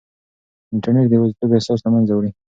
انټرنیټ د یوازیتوب احساس له منځه وړي.